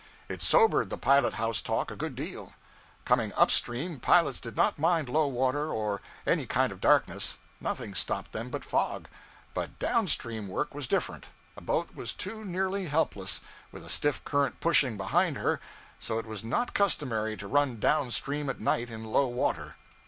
It sobered the pilot house talk a good deal. Coming up stream, pilots did not mind low water or any kind of darkness; nothing stopped them but fog. But down stream work was different; a boat was too nearly helpless, with a stiff current pushing behind her; so it was not customary to run down stream at night in low water.